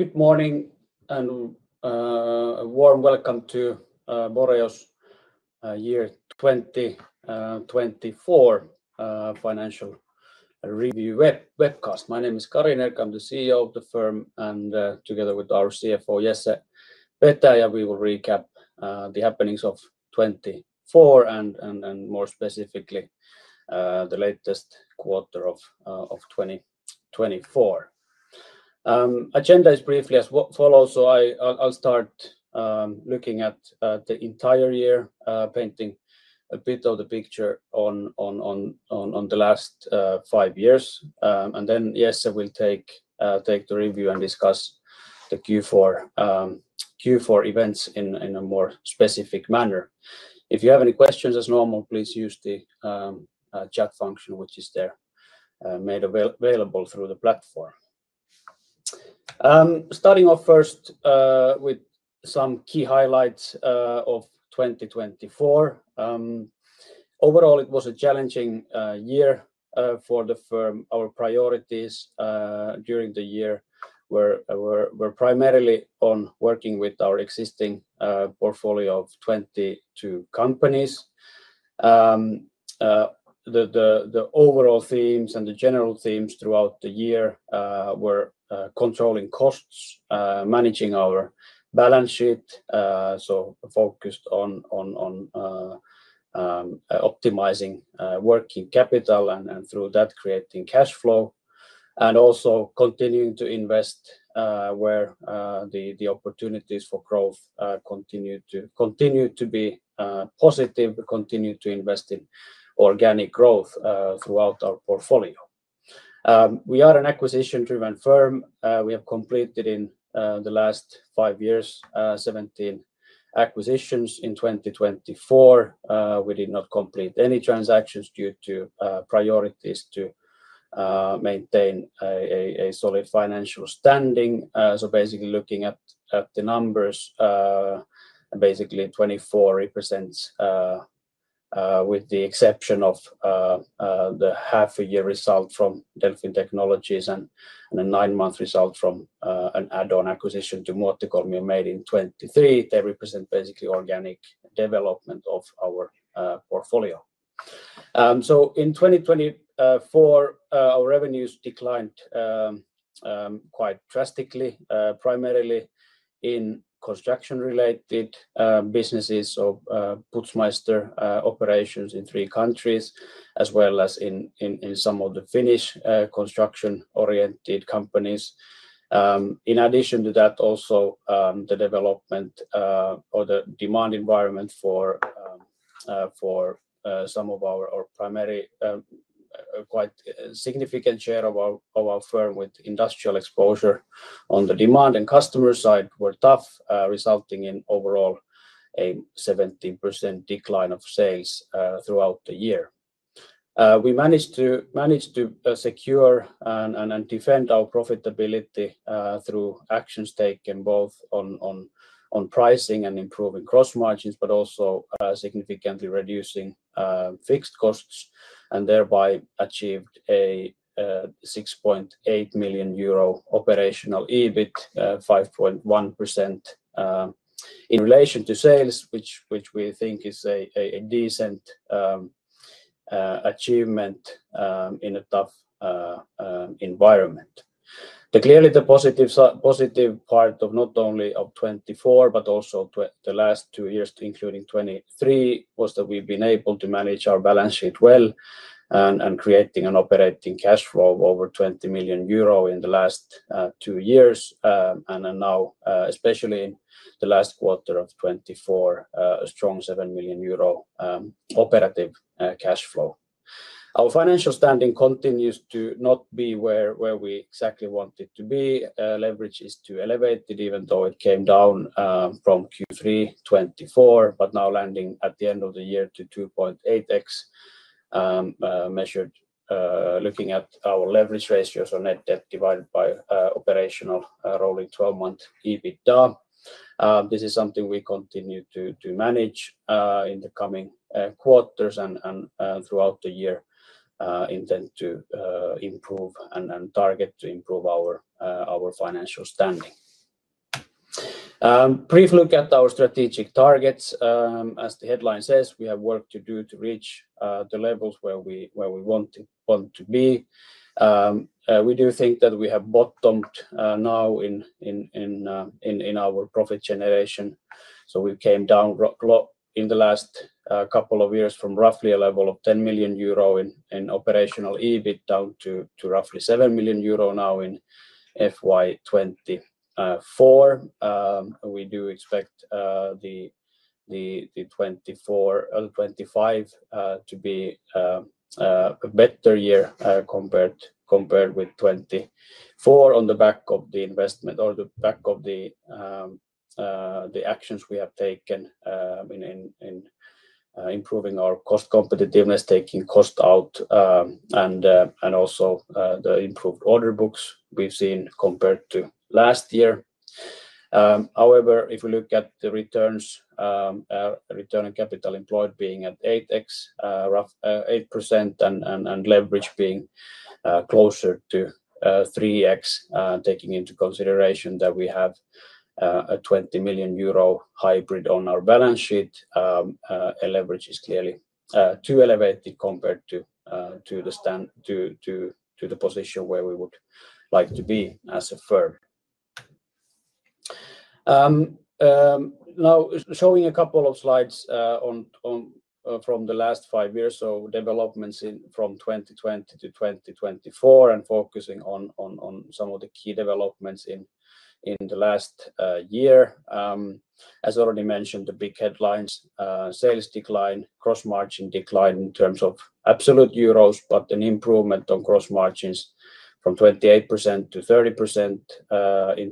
Good morning and a warm welcome to Boreo's year 2024 financial review webcast. My name is Kari Nerg, I'm the CEO of the firm and together with our CFO, Jesse Petäjä, we will recap the happenings of 2024 and more specifically the latest quarter of 2024. The agenda is briefly as follows, so I'll start looking at the entire year, painting a bit of the picture on the last five years, and then Jesse will take the review and discuss the Q4 events in a more specific manner. If you have any questions, as normal, please use the chat function which is made available through the platform. Starting off first with some key highlights of 2024. Overall, it was a challenging year for the firm. Our priorities during the year were primarily on working with our existing portfolio of 22 companies. The overall themes and the general themes throughout the year were controlling costs, managing our balance sheet, focused on optimizing working capital and through that creating cash flow, and also continuing to invest where the opportunities for growth continue to be positive, continue to invest in organic growth throughout our portfolio. We are an acquisition-driven firm. We have completed in the last five years 17 acquisitions. In 2024, we did not complete any transactions due to priorities to maintain a solid financial standing. Basically looking at the numbers, 2024 represents, with the exception of the half a year result from Delfin Technologies and a nine-month result from an add-on acquisition to Muotikolmio, made in 2023, they represent basically organic development of our portfolio. In 2024, our revenues declined quite drastically, primarily in construction-related businesses, so Putzmeister operations in three countries, as well as in some of the Finnish construction-oriented companies. In addition to that, also the development or the demand environment for some of our primary, quite significant share of our firm with industrial exposure on the demand and customer side were tough, resulting in overall a 17% decline of sales throughout the year. We managed to secure and defend our profitability through actions taken both on pricing and improving gross margins, but also significantly reducing fixed costs, and thereby achieved a 6.8 million euro operational EBIT, 5.1% in relation to sales, which we think is a decent achievement in a tough environment. Clearly, the positive part of not only 2024, but also the last two years, including 2023, was that we've been able to manage our balance sheet well and creating an operating cash flow of over 20 million euro in the last two years, and now especially in the last quarter of 2024, a strong 7 million euro operative cash flow. Our financial standing continues to not be where we exactly want it to be. Leverage is too elevated, even though it came down from Q3 2024, but now landing at the end of the year to 2.8x, measured looking at our leverage ratios on net debt divided by operational rolling 12-month EBITDA. This is something we continue to manage in the coming quarters and throughout the year, intend to improve and target to improve our financial standing. Brief look at our strategic targets. As the headline says, we have work to do to reach the levels where we want to be. We do think that we have bottomed now in our profit generation. We came down in the last couple of years from roughly a level of 10 million euro in operational EBIT down to roughly 7 million euro now in FY 2024. We do expect 2024 to be a better year compared with 2024 on the back of the investment or the back of the actions we have taken in improving our cost competitiveness, taking cost out, and also the improved order books we've seen compared to last year. However, if we look at the returns, return on capital employed being at 8x, 8%, and leverage being closer to 3x, taking into consideration that we have a 20 million euro hybrid on our balance sheet, leverage is clearly too elevated compared to the position where we would like to be as a firm. Now, showing a couple of slides from the last five years, so developments from 2020 to 2024 and focusing on some of the key developments in the last year. As already mentioned, the big headlines, sales decline, gross margin decline in terms of absolute euros, but an improvement on gross margins from 28% to 30% in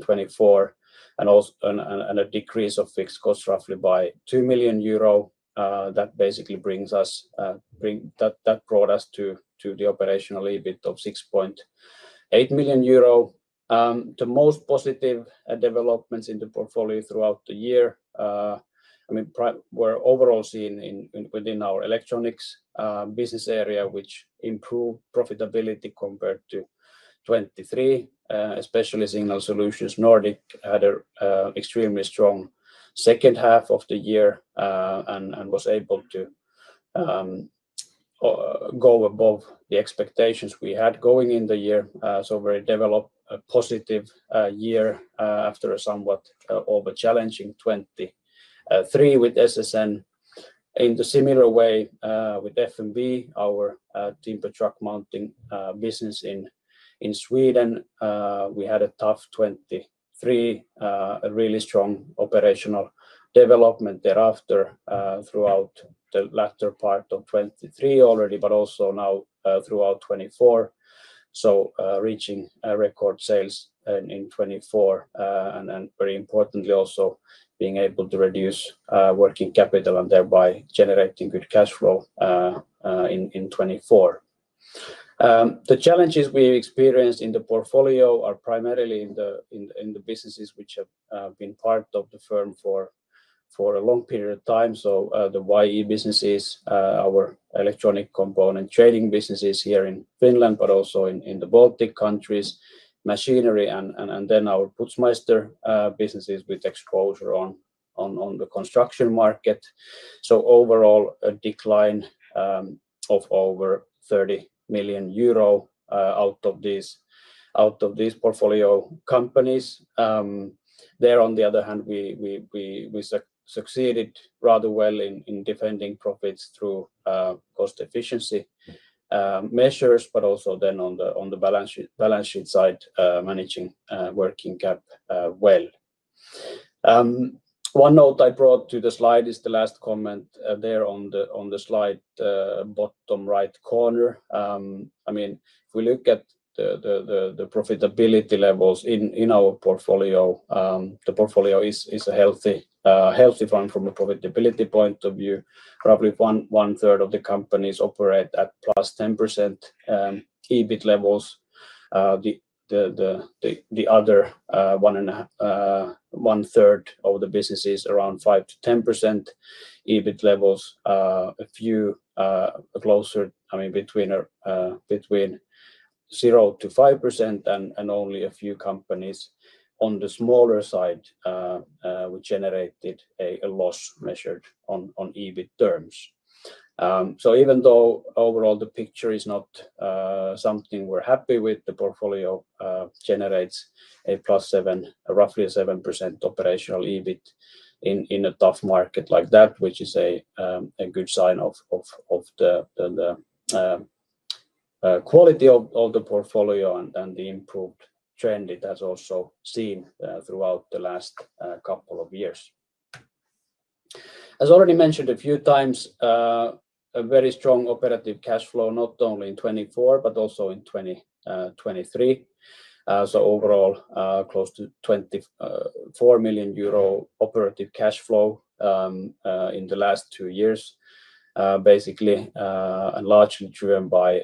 2024, and a decrease of fixed costs roughly by 2 million euro. That basically brings us, that brought us to the operational EBIT of 6.8 million euro. The most positive developments in the portfolio throughout the year were overall seen within our electronics business area, which improved profitability compared to 2023, especially Signal Solutions Nordic had an extremely strong second half of the year and was able to go above the expectations we had going in the year. Very developed, a positive year after a somewhat over-challenging 2023 with SSN. In a similar way with FNB, our timber truck mounting business in Sweden, we had a tough 2023, a really strong operational development thereafter throughout the latter part of 2023 already, but also now throughout 2024. Reaching record sales in 2024 and very importantly also being able to reduce working capital and thereby generating good cash flow in 2024. The challenges we experienced in the portfolio are primarily in the businesses which have been part of the firm for a long period of time. The YE businesses, our electronic component trading businesses here in Finland, but also in the Baltic countries, machinery, and then our Putzmeister businesses with exposure on the construction market. Overall, a decline of over 30 million euro out of these portfolio companies. There, on the other hand, we succeeded rather well in defending profits through cost efficiency measures, but also then on the balance sheet side, managing working cap well. One note I brought to the slide is the last comment there on the slide bottom right corner. I mean, if we look at the profitability levels in our portfolio, the portfolio is a healthy firm from a profitability point of view. Probably 1/3 of the companies operate at +10% EBIT levels. The other 1/3 of the business is around 5%-10% EBIT levels. A few closer, I mean, between 0% and 5% and only a few companies on the smaller side which generated a loss measured on EBIT terms. Even though overall the picture is not something we're happy with, the portfolio generates a +7, roughly 7% operational EBIT in a tough market like that, which is a good sign of the quality of the portfolio and the improved trend it has also seen throughout the last couple of years. As already mentioned a few times, a very strong operative cash flow, not only in 2024, but also in 2023. Overall close to 24 million euro operative cash flow in the last two years, basically largely driven by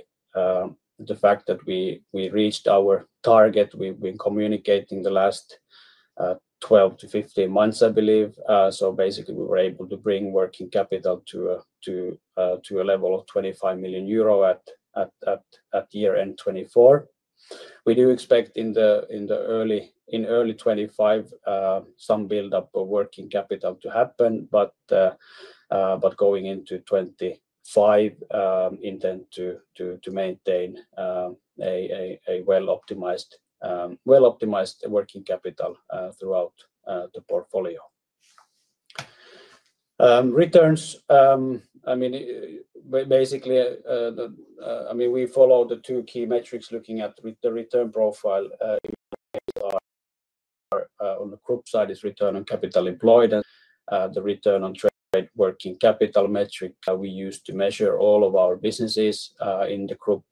the fact that we reached our target. We've been communicating the last 12-15 months, I believe. Basically, we were able to bring working capital to a level of 25 million euro at year end 2024. We do expect in early 2025 some buildup of working capital to happen, but going into 2025, intend to maintain a well-optimized working capital throughout the portfolio. Returns, I mean, basically, I mean, we follow the two key metrics looking at the return profile. On the group side is return on capital employed and the return on trade working capital metric we use to measure all of our businesses in the group.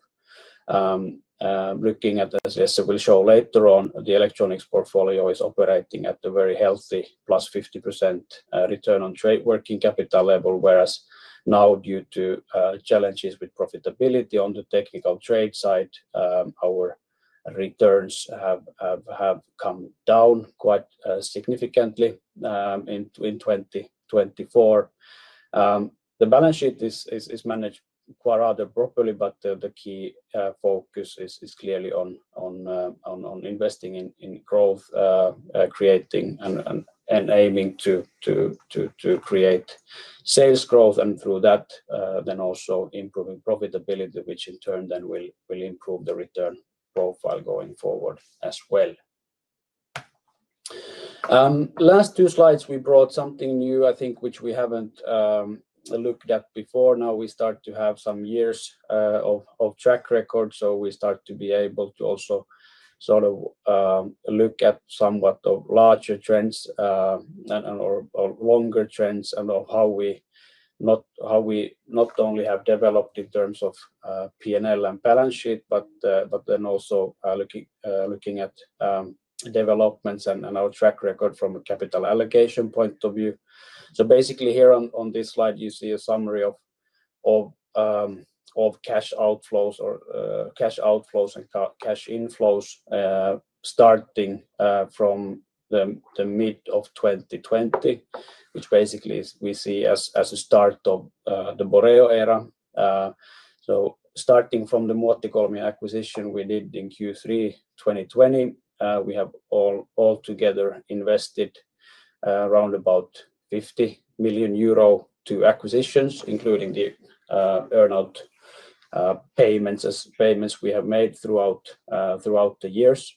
Looking at, as Jesse will show later on, the electronics portfolio is operating at a very healthy +50% return on trade working capital level, whereas now due to challenges with profitability on the technical trade side, our returns have come down quite significantly in 2024. The balance sheet is managed quite rather properly, but the key focus is clearly on investing in growth, creating and aiming to create sales growth, and through that then also improving profitability, which in turn then will improve the return profile going forward as well. Last two slides, we brought something new, I think, which we have not looked at before. Now we start to have some years of track record, so we start to be able to also sort of look at somewhat of larger trends and longer trends and how we not only have developed in terms of P&L and balance sheet, but then also looking at developments and our track record from a capital allocation point of view. Basically here on this slide, you see a summary of cash outflows or cash outflows and cash inflows starting from the mid of 2020, which basically we see as a start of the Boreo era. Starting from the Muotikolmi acquisition we did in Q3 2020, we have altogether invested around 50 million euro to acquisitions, including the earn-out payments we have made throughout the years.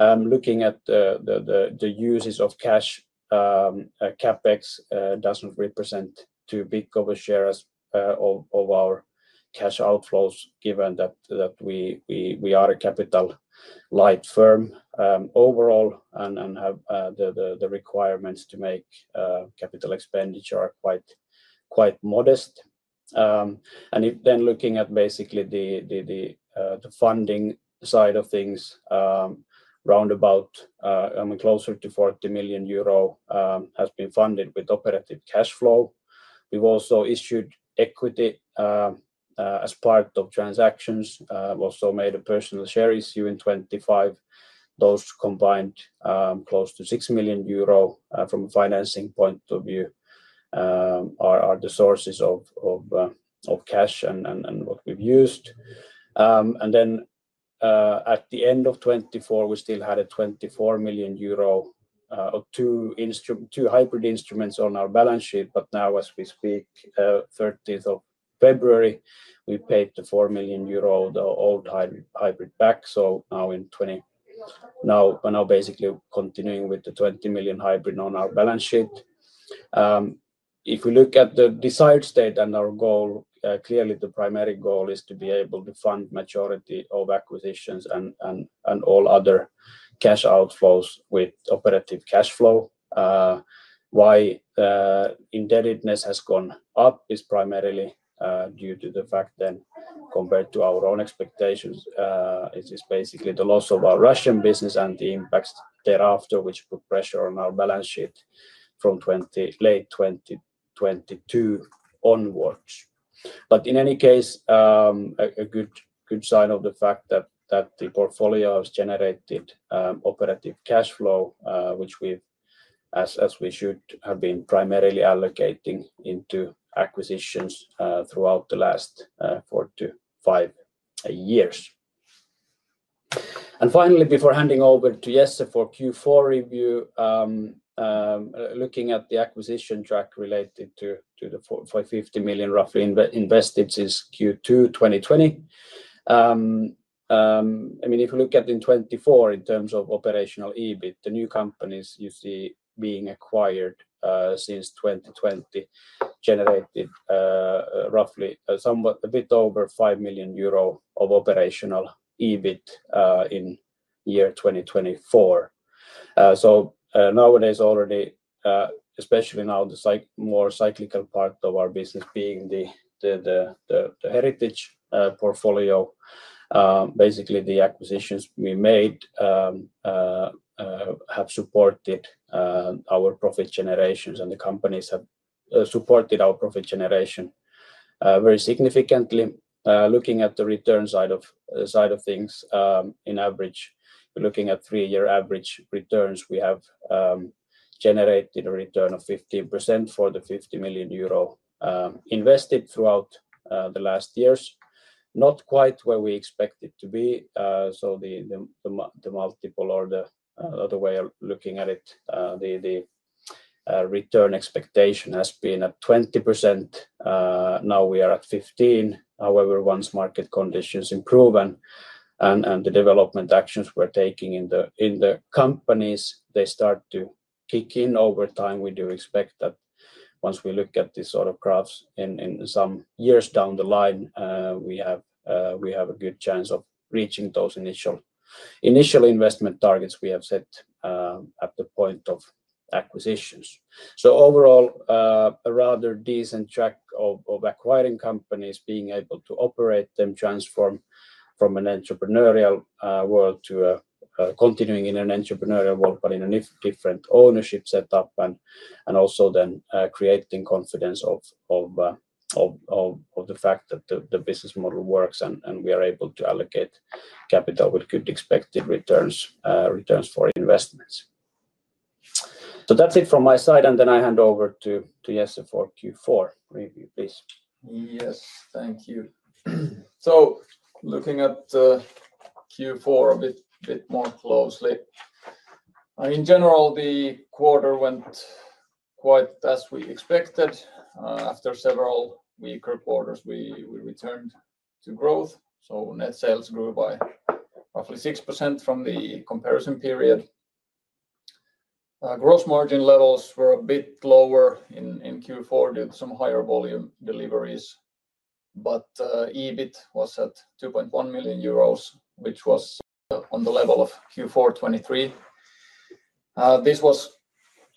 Looking at the uses of cash, CapEx does not represent too big of a share of our cash outflows, given that we are a capital light firm overall and the requirements to make capital expenditure are quite modest. Looking at basically the funding side of things, around closer to 40 million euro has been funded with operative cash flow. We have also issued equity as part of transactions. We also made a personnel share issue in 2025. Those combined close to 6 million euro from a financing point of view are the sources of cash and what we've used. At the end of 2024, we still had 24 million euro of two hybrid instruments on our balance sheet, but now as we speak, February 30th, we paid the 4 million euro, the old hybrid back. Now basically continuing with the 20 million hybrid on our balance sheet. If we look at the desired state and our goal, clearly the primary goal is to be able to fund majority of acquisitions and all other cash outflows with operative cash flow. Why indebtedness has gone up is primarily due to the fact that compared to our own expectations, it is basically the loss of our Russian business and the impacts thereafter, which put pressure on our balance sheet from late 2022 onwards. In any case, a good sign of the fact that the portfolio has generated operative cash flow, which we've, as we should have been, primarily allocating into acquisitions throughout the last 4-5 years. Finally, before handing over to Jesse for Q4 review, looking at the acquisition track related to the 50 million roughly invested since Q2 2020. I mean, if you look at in 2024, in terms of operational EBIT, the new companies you see being acquired since 2020 generated roughly a bit over 5 million euro of operational EBIT in year 2024. Nowadays, already, especially now the more cyclical part of our business being the heritage portfolio, basically the acquisitions we made have supported our profit generations and the companies have supported our profit generation very significantly. Looking at the return side of things, in average, looking at three-year average returns, we have generated a return of 15% for the 50 million euro invested throughout the last years. Not quite where we expected to be. The multiple or the way of looking at it, the return expectation has been at 20%. Now we are at 15%. However, once market conditions improve and the development actions we're taking in the companies, they start to kick in over time, we do expect that once we look at these sort of graphs in some years down the line, we have a good chance of reaching those initial investment targets we have set at the point of acquisitions. Overall, a rather decent track of acquiring companies, being able to operate them, transform from an entrepreneurial world to continuing in an entrepreneurial world, but in a different ownership setup and also then creating confidence of the fact that the business model works and we are able to allocate capital with good expected returns for investments. That is it from my side, and I hand over to Jesse for Q4 review, please. Yes, thank you. Looking at Q4 a bit more closely, in general, the quarter went quite as we expected. After several weaker quarters, we returned to growth. Net sales grew by roughly 6% from the comparison period. Gross margin levels were a bit lower in Q4 due to some higher volume deliveries, but EBIT was at 2.1 million euros, which was on the level of Q4 2023. This was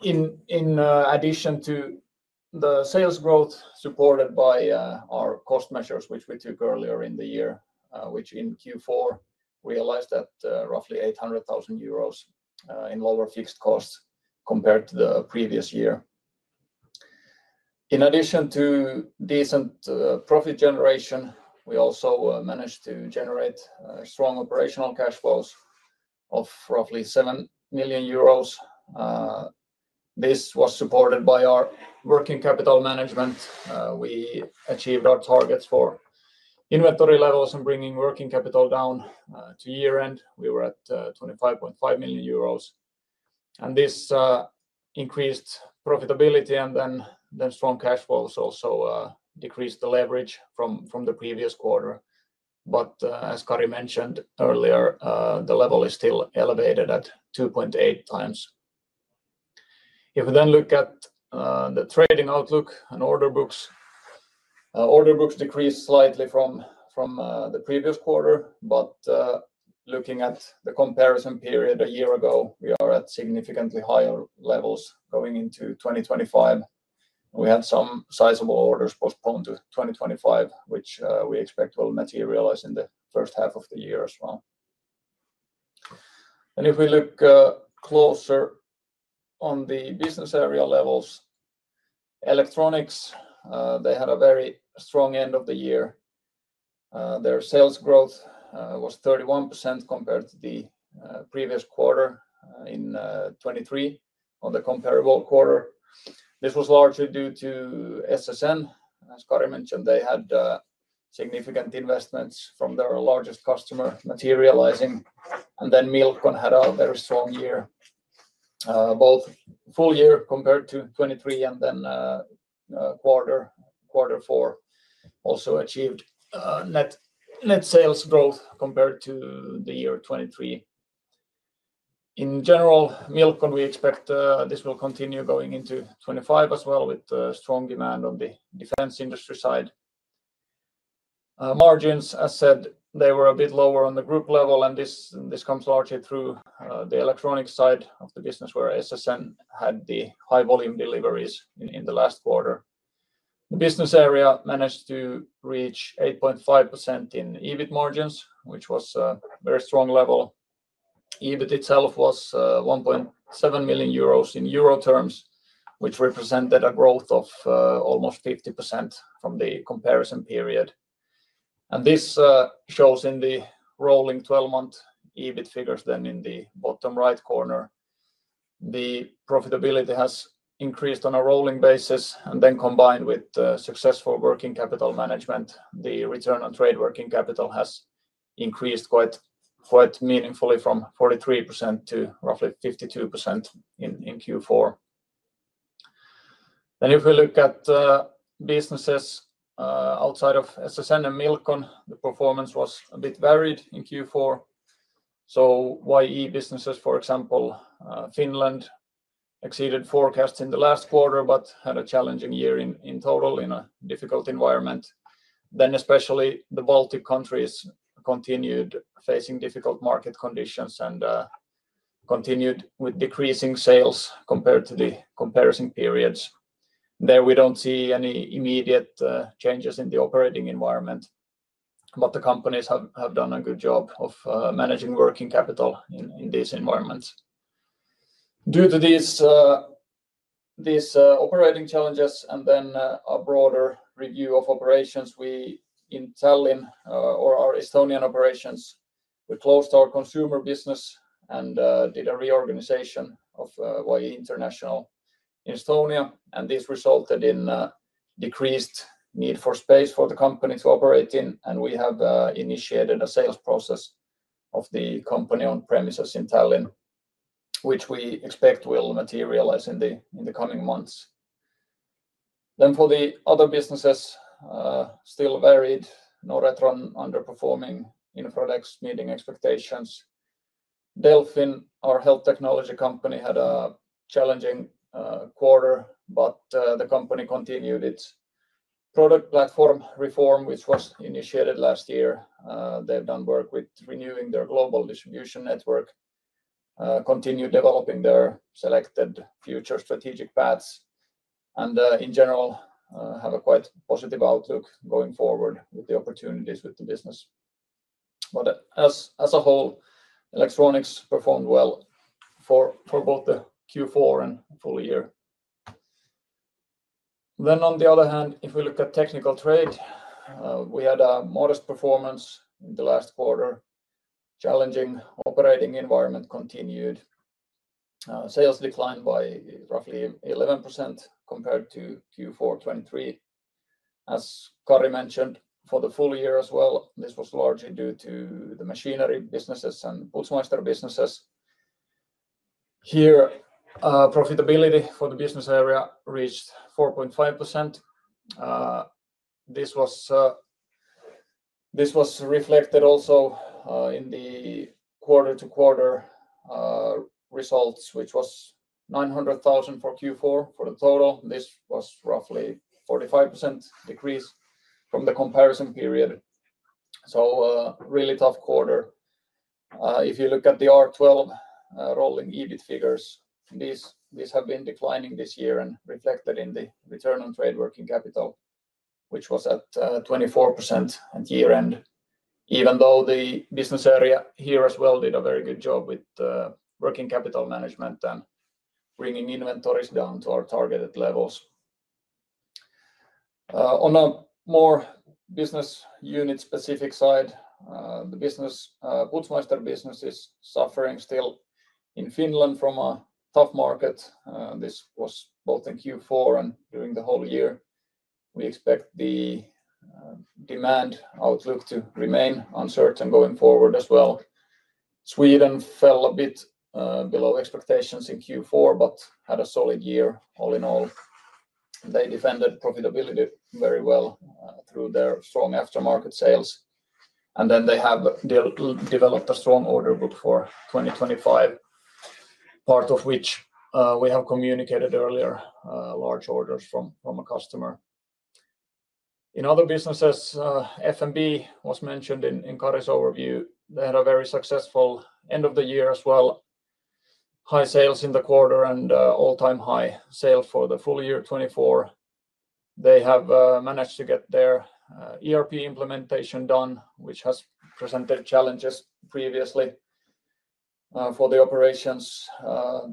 in addition to the sales growth supported by our cost measures, which we took earlier in the year, which in Q4 realized at roughly 800,000 euros in lower fixed costs compared to the previous year. In addition to decent profit generation, we also managed to generate strong operational cash flows of roughly 7 million euros. This was supported by our working capital management. We achieved our targets for inventory levels and bringing working capital down to year end. We were at 25.5 million euros. This increased profitability and then strong cash flows also decreased the leverage from the previous quarter. As Kari mentioned earlier, the level is still elevated at 2.8x. If we then look at the trading outlook and order books, order books decreased slightly from the previous quarter, but looking at the comparison period a year ago, we are at significantly higher levels going into 2025. We had some sizable orders postponed to 2025, which we expect will materialize in the first half of the year as well. If we look closer on the business area levels, electronics, they had a very strong end of the year. Their sales growth was 31% compared to the previous quarter in 2023 on the comparable quarter. This was largely due to SSN, as Kari mentioned. They had significant investments from their largest customer materializing. Then Milcon had a very strong year, both full year compared to 2023 and quarter four also achieved net sales growth compared to the year 2023. In general, Milcon, we expect this will continue going into 2025 as well with strong demand on the defense industry side. Margins, as said, they were a bit lower on the group level, and this comes largely through the electronics side of the business where SSN had the high volume deliveries in the last quarter. The business area managed to reach 8.5% in EBIT margins, which was a very strong level. EBIT itself was 1.7 million euros in euro terms, which represented a growth of almost 50% from the comparison period. This shows in the rolling 12-month EBIT figures then in the bottom right corner. The profitability has increased on a rolling basis, and then combined with successful working capital management, the return on trade working capital has increased quite meaningfully from 43% to roughly 52% in Q4. If we look at businesses outside of SSN and Milcon, the performance was a bit varied in Q4. YE businesses, for example, Finland exceeded forecasts in the last quarter, but had a challenging year in total in a difficult environment. Especially the Baltic countries continued facing difficult market conditions and continued with decreasing sales compared to the comparison periods. There we do not see any immediate changes in the operating environment, but the companies have done a good job of managing working capital in these environments. Due to these operating challenges and then a broader review of operations, we in Tallinn or our Estonian operations, we closed our consumer business and did a reorganization of YE International in Estonia, and this resulted in decreased need for space for the company to operate in, and we have initiated a sales process of the company on premises in Tallinn, which we expect will materialize in the coming months. For the other businesses, still varied, no return, underperforming in products meeting expectations. Delfin, our health technology company, had a challenging quarter, but the company continued its product platform reform, which was initiated last year. They've done work with renewing their global distribution network, continued developing their selected future strategic paths, and in general have a quite positive outlook going forward with the opportunities with the business. As a whole, electronics performed well for both the Q4 and full year. On the other hand, if we look at technical trade, we had a modest performance in the last quarter, challenging operating environment continued. Sales declined by roughly 11% compared to Q4 2023. As Kari mentioned, for the full year as well, this was largely due to the machinery businesses and Putzmeister businesses. Here, profitability for the business area reached 4.5%. This was reflected also in the quarter-to-quarter results, which was 900,000 for Q4 for the total. This was roughly a 45% decrease from the comparison period. Really tough quarter. If you look at the R12 rolling EBIT figures, these have been declining this year and reflected in the return on trade working capital, which was at 24% at year end, even though the business area here as well did a very good job with working capital management and bringing inventories down to our targeted levels. On a more business unit-specific side, the Putzmeister business is suffering still in Finland from a tough market. This was both in Q4 and during the whole year. We expect the demand outlook to remain uncertain going forward as well. Sweden fell a bit below expectations in Q4, but had a solid year all in all. They defended profitability very well through their strong aftermarket sales. They have developed a strong order book for 2025, part of which we have communicated earlier, large orders from a customer. In other businesses, FNB was mentioned in Kari's overview. They had a very successful end of the year as well. High sales in the quarter and all-time high sales for the full year 2024. They have managed to get their ERP implementation done, which has presented challenges previously. For the operations,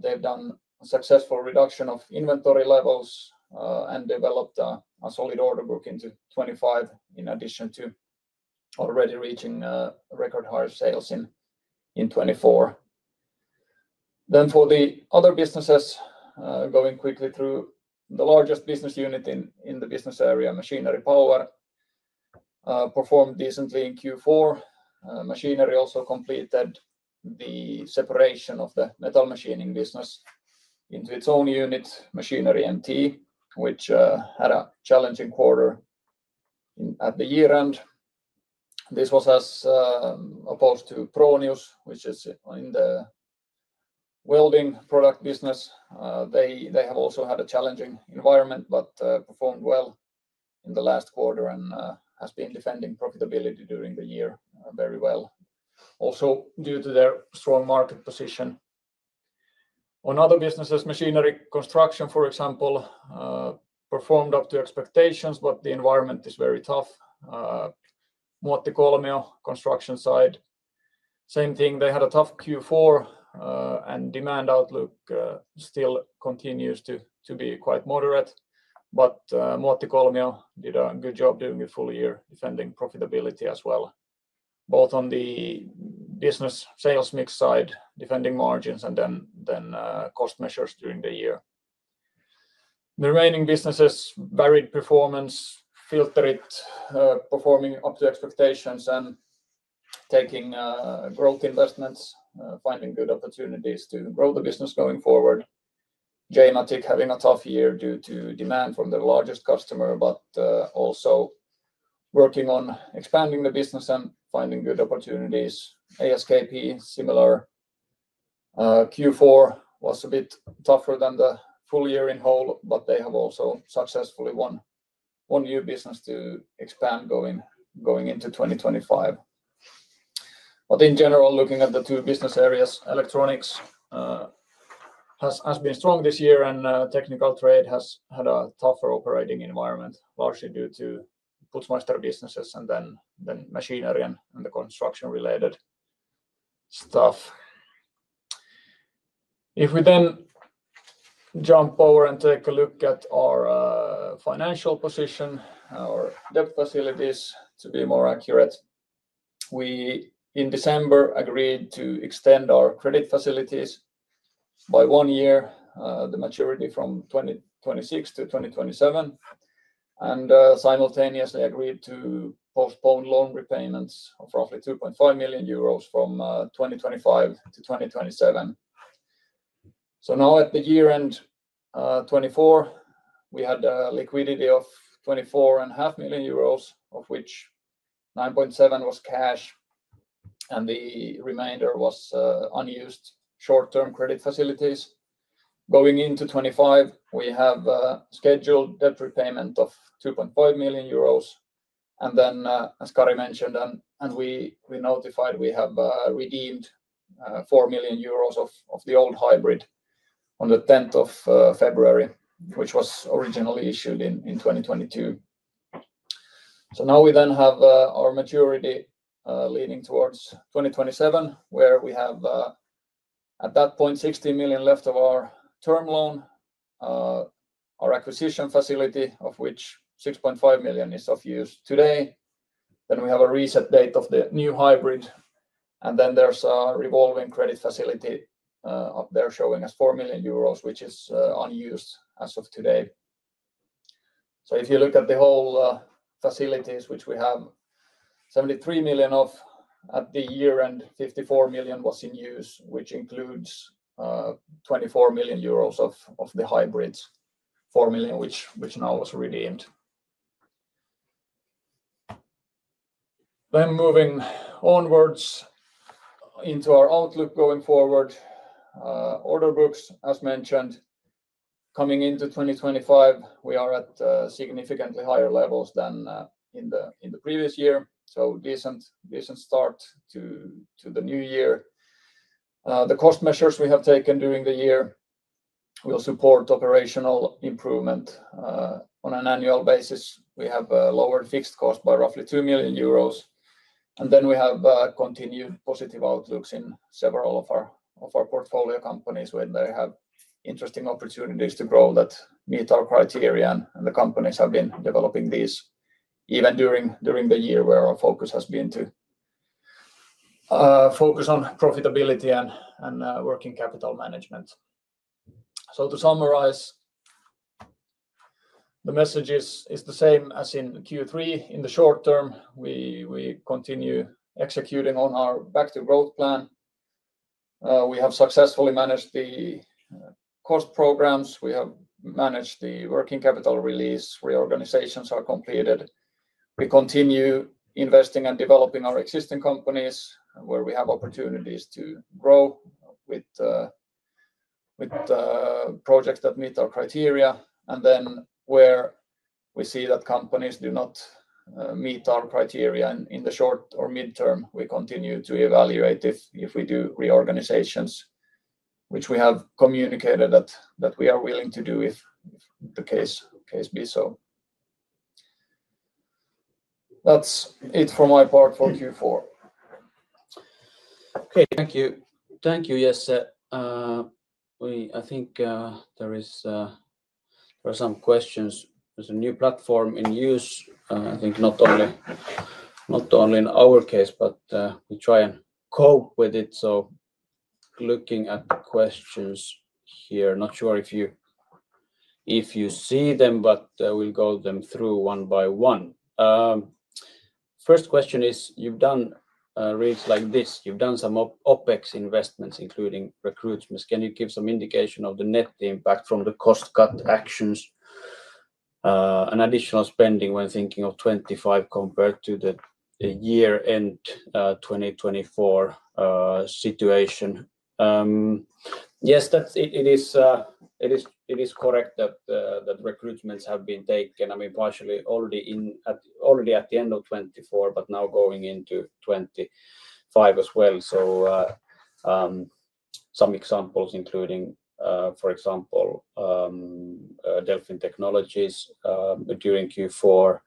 they've done a successful reduction of inventory levels and developed a solid order book into 2025, in addition to already reaching record higher sales in 2024. For the other businesses, going quickly through the largest business unit in the business area, Machinery Power performed decently in Q4. Machinery also completed the separation of the metal machining business into its own unit, Machinery MT, which had a challenging quarter at the year end. This was as opposed to Fronius, which is in the welding product business. They have also had a challenging environment, but performed well in the last quarter and have been defending profitability during the year very well, also due to their strong market position. On other businesses, Machinery Construction, for example, performed up to expectations, but the environment is very tough. Muotikolmi construction side, same thing. They had a tough Q4, and demand outlook still continues to be quite moderate, but Muotikolmi did a good job during the full year defending profitability as well, both on the business sales mix side, defending margins, and then cost measures during the year. The remaining businesses, varied performance, Filterit performing up to expectations and taking growth investments, finding good opportunities to grow the business going forward. J-Matic having a tough year due to demand from their largest customer, but also working on expanding the business and finding good opportunities. ESKP, similar. Q4 was a bit tougher than the full year in whole, but they have also successfully won new business to expand going into 2025. In general, looking at the two business areas, electronics has been strong this year, and technical trade has had a tougher operating environment, largely due to Putzmeister businesses and then machinery and the construction-related stuff. If we then jump over and take a look at our financial position, our debt facilities, to be more accurate, we in December agreed to extend our credit facilities by one year, the maturity from 2026 to 2027, and simultaneously agreed to postpone loan repayments of roughly 2.5 million euros from 2025 to 2027. Now at the year end 2024, we had a liquidity of 24.5 million euros, of which 9.7 million was cash, and the remainder was unused short-term credit facilities. Going into 2025, we have a scheduled debt repayment of 2.5 million euros. As Kari mentioned, and we notified, we have redeemed 4 million euros of the old hybrid on February 10th, which was originally issued in 2022. Now we then have our maturity leading towards 2027, where we have at that point 60 million left of our term loan, our acquisition facility, of which 6.5 million is of use today. We have a reset date of the new hybrid, and there is a revolving credit facility up there showing us 4 million euros, which is unused as of today. If you look at the whole facilities, which we have 73 million of at the year end, 54 million was in use, which includes 24 million euros of the hybrids, 4 million which now was redeemed. Moving onwards into our outlook going forward, order books, as mentioned, coming into 2025, we are at significantly higher levels than in the previous year, so a decent start to the new year. The cost measures we have taken during the year will support operational improvement on an annual basis. We have lowered fixed costs by roughly 2 million euros, and then we have continued positive outlooks in several of our portfolio companies when they have interesting opportunities to grow that meet our criteria, and the companies have been developing these even during the year where our focus has been to focus on profitability and working capital management. To summarize, the message is the same as in Q3. In the short term, we continue executing on our back-to-growth plan. We have successfully managed the cost programs. We have managed the working capital release. Reorganizations are completed. We continue investing and developing our existing companies where we have opportunities to grow with projects that meet our criteria, and then where we see that companies do not meet our criteria in the short or midterm, we continue to evaluate if we do reorganizations, which we have communicated that we are willing to do if the case be so. That's it from my part for Q4. Okay, thank you. Thank you, Jesse. I think there are some questions. There is a new platform in use, I think not only in our case, but we try and cope with it. Looking at questions here, not sure if you see them, but we'll go through them one by one. First question is, you've done reads like this. You've done some OpEx investments, including recruitments. Can you give some indication of the net impact from the cost-cut actions and additional spending when thinking of 2025 compared to the year-end 2024 situation? Yes, it is correct that recruitments have been taken, I mean, partially already at the end of 2024, but now going into 2025 as well. Some examples, including, for example, Delfin Technologies during Q4,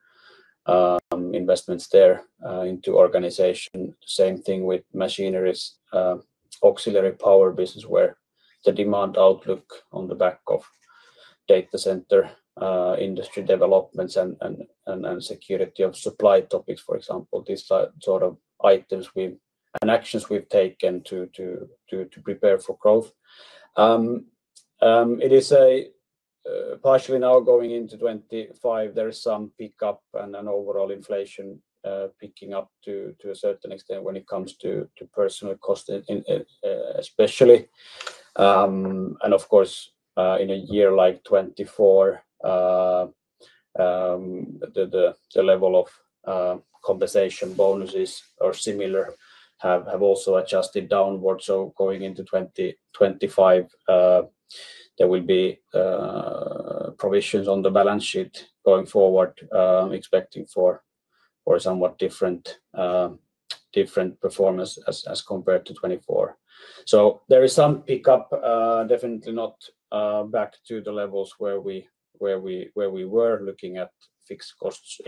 investments there into organization. Same thing with Machinery's auxiliary power business, where the demand outlook on the back of data center industry developments and security of supply topics, for example, these sort of items and actions we've taken to prepare for growth. It is partially now going into 2025. There is some pickup and overall inflation picking up to a certain extent when it comes to personnel costs, especially. Of course, in a year like 2024, the level of compensation bonuses or similar have also adjusted downward. Going into 2025, there will be provisions on the balance sheet going forward, expecting for somewhat different performance as compared to 2024. There is some pickup, definitely not back to the levels where we were looking at fixed costs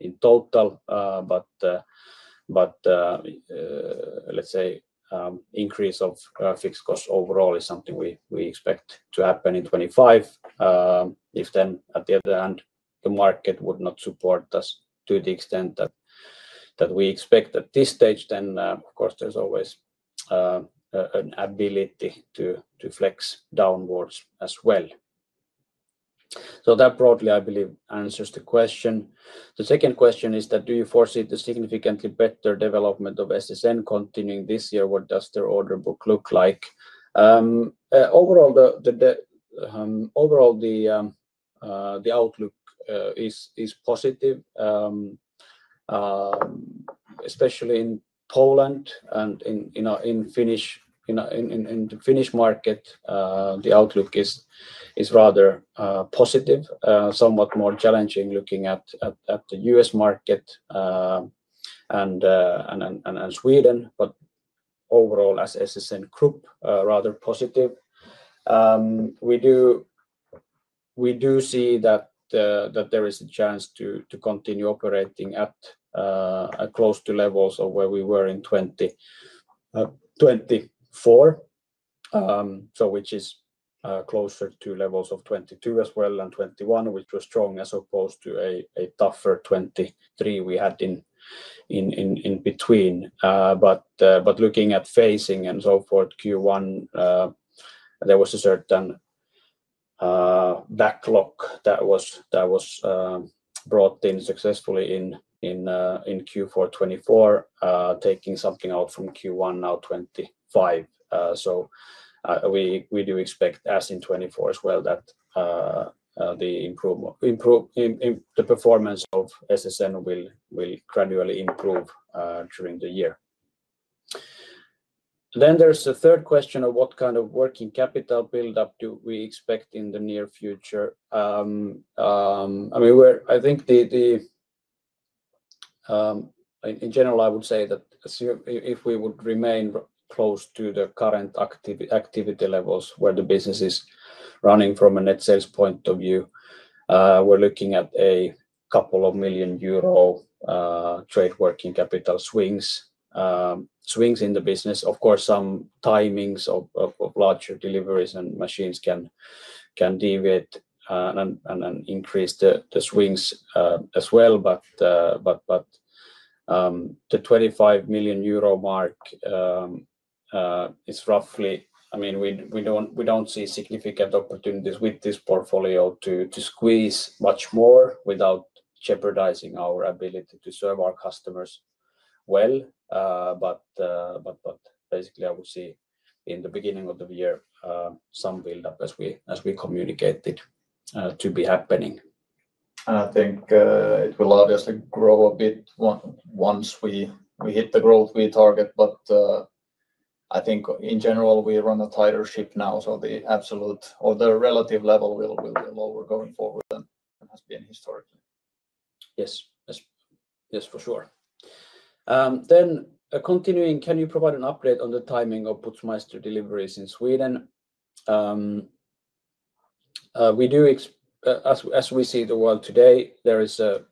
in total, but let's say increase of fixed costs overall is something we expect to happen in 2025. If, at the other hand, the market would not support us to the extent that we expect at this stage, then of course, there's always an ability to flex downwards as well. That broadly, I believe, answers the question. The second question is that, do you foresee the significantly better development of SSN continuing this year? What does their order book look like? Overall, the outlook is positive, especially in Poland and in the Finnish market. The outlook is rather positive, somewhat more challenging looking at the U.S. market and Sweden, but overall, as SSN group, rather positive. We do see that there is a chance to continue operating close to levels of where we were in 2024, which is closer to levels of 2022 as well and 2021, which was strong as opposed to a tougher 2023 we had in between. Looking at phasing and so forth, Q1, there was a certain backlog that was brought in successfully in Q4 2024, taking something out from Q1 now 2025. We do expect, as in 2024 as well, that the performance of SSN will gradually improve during the year. There is a third question of what kind of working capital buildup do we expect in the near future? I mean, I think in general, I would say that if we would remain close to the current activity levels where the business is running from a net sales point of view, we're looking at a couple of million EUR trade working capital swings in the business. Of course, some timings of larger deliveries and machines can deviate and increase the swings as well. The 25 million euro mark is roughly, I mean, we don't see significant opportunities with this portfolio to squeeze much more without jeopardizing our ability to serve our customers well. Basically, I would see in the beginning of the year some buildup as we communicate it to be happening. I think it will obviously grow a bit once we hit the growth we target, but I think in general, we run a tighter ship now, so the absolute or the relative level will be lower going forward than has been historically. Yes, yes, for sure. Continuing, can you provide an update on the timing of Putzmeister deliveries in Sweden? As we see the world today, there is a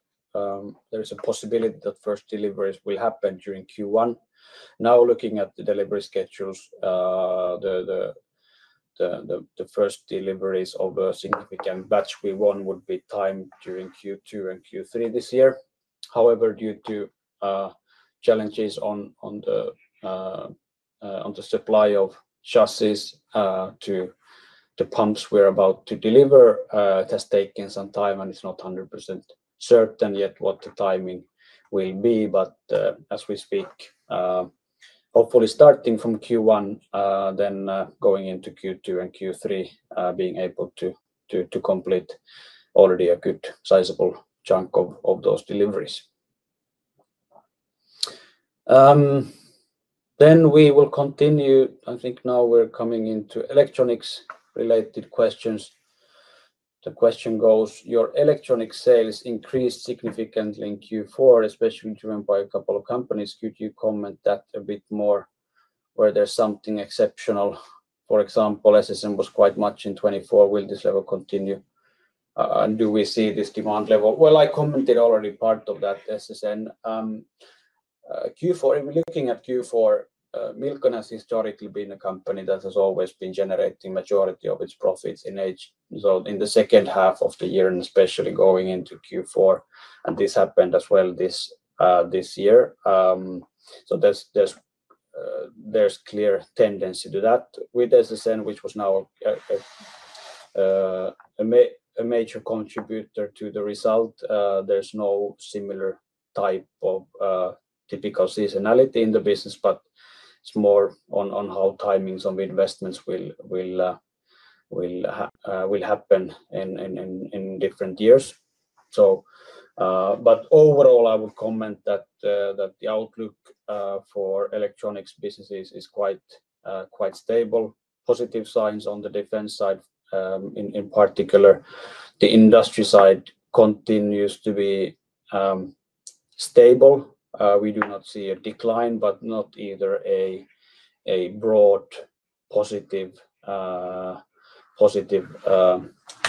possibility that first deliveries will happen during Q1. Now looking at the delivery schedules, the first deliveries of a significant batch we won would be timed during Q2 and Q3 this year. However, due to challenges on the supply of chassis to the pumps we are about to deliver, it has taken some time, and it is not 100% certain yet what the timing will be. As we speak, hopefully starting from Q1, then going into Q2 and Q3, being able to complete already a good sizable chunk of those deliveries. We will continue. I think now we're coming into electronics-related questions. The question goes, your electronics sales increased significantly in Q4, especially driven by a couple of companies. Could you comment that a bit more, was there something exceptional? For example, SSN was quite much in 2024. Will this level continue? And do we see this demand level? I commented already part of that, SSN. Looking at Q4, Milcon has historically been a company that has always been generating the majority of its profits in the second half of the year, and especially going into Q4. This happened as well this year. There is clear tendency to that with SSN, which was now a major contributor to the result. There's no similar type of typical seasonality in the business, but it's more on how timings of investments will happen in different years. Overall, I would comment that the outlook for electronics businesses is quite stable. Positive signs on the defense side, in particular, the industry side continues to be stable. We do not see a decline, but not either a broad positive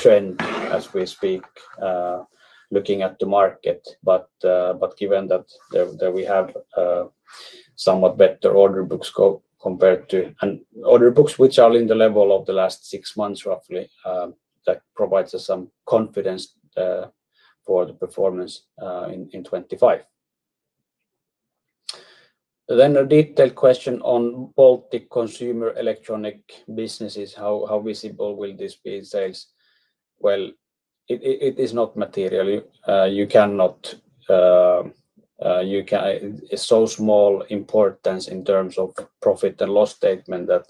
trend as we speak, looking at the market. Given that we have somewhat better order books compared to order books which are in the level of the last six months roughly, that provides us some confidence for the performance in 2025. A detailed question on Baltic consumer electronic businesses: how visible will this be in sales? It is not material. You cannot, so small importance in terms of profit and loss statement, that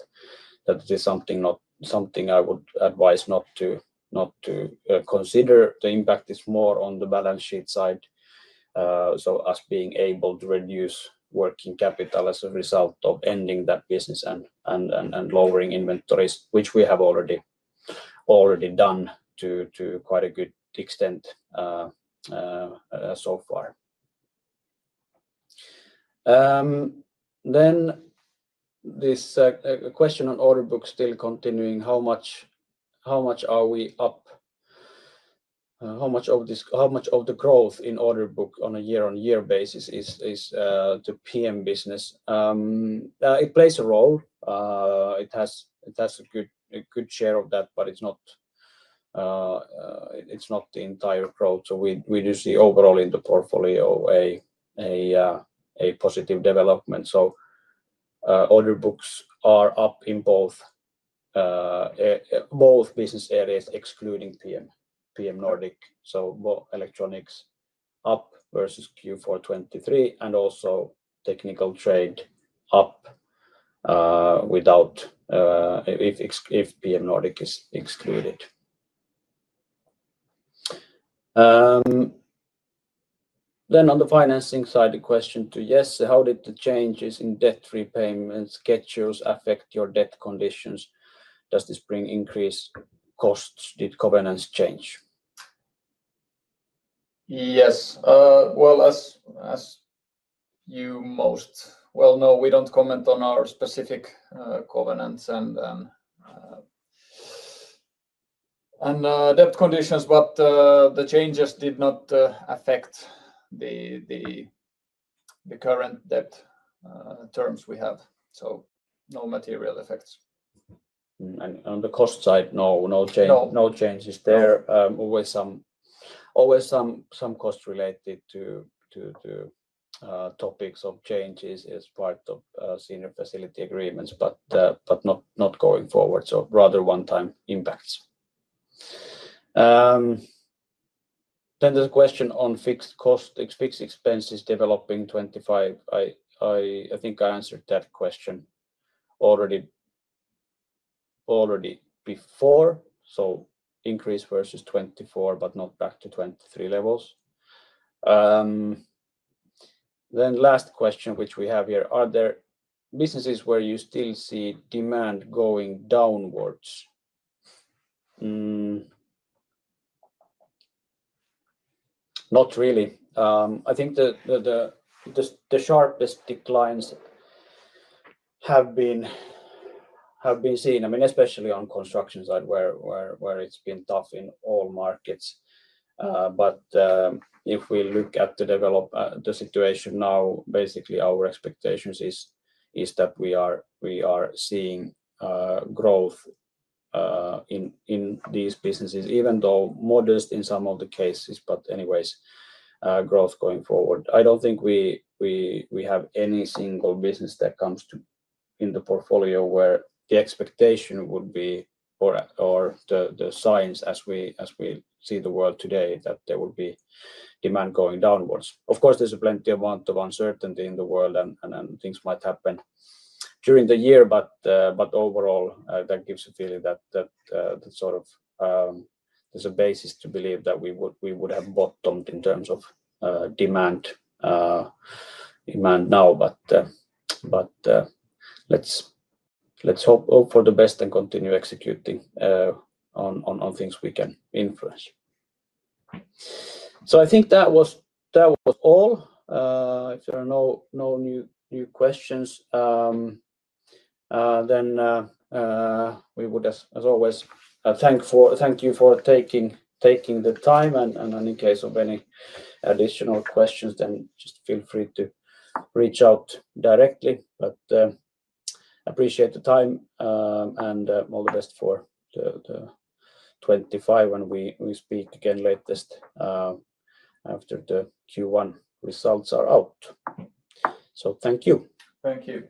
it is something I would advise not to consider. The impact is more on the balance sheet side, as being able to reduce working capital as a result of ending that business and lowering inventories, which we have already done to quite a good extent so far. This question on order books still continuing. How much are we up? How much of the growth in order book on a year-on-year basis is the PM business? It plays a role. It has a good share of that, but it's not the entire growth. We do see overall in the portfolio a positive development. Order books are up in both business areas, excluding PM Nordic. Electronics up versus Q4 2023, and also technical trade up if PM Nordic is excluded. On the financing side, the question to Jesse, how did the changes in debt repayment schedules affect your debt conditions? Does this bring increased costs? Did covenants change? Yes. As you most well know, we do not comment on our specific covenants and debt conditions, but the changes did not affect the current debt terms we have. No material effects. On the cost side, no changes there. Always some cost related to topics of changes as part of senior facility agreements, but not going forward. Rather one-time impacts. There is a question on fixed expenses developing 2025. I think I answered that question already before. Increase versus 2024, but not back to 2023 levels. Last question, which we have here, are there businesses where you still see demand going downwards? Not really. I think the sharpest declines have been seen, I mean, especially on the construction side where it has been tough in all markets. If we look at the situation now, basically our expectation is that we are seeing growth in these businesses, even though modest in some of the cases, but anyways, growth going forward. I do not think we have any single business that comes in the portfolio where the expectation would be or the signs as we see the world today that there would be demand going downwards. Of course, there is plenty of uncertainty in the world, and things might happen during the year, but overall, that gives a feeling that sort of there is a basis to believe that we would have bottomed in terms of demand now. Let's hope for the best and continue executing on things we can influence. I think that was all. If there are no new questions, then we would, as always, thank you for taking the time. In case of any additional questions, just feel free to reach out directly. I appreciate the time, and all the best for 2025 when we speak again latest after the Q1 results are out. Thank you. Thank you.